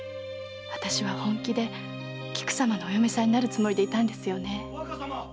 あたしは本気で菊様のお嫁さんになるつもりでいたんですよね。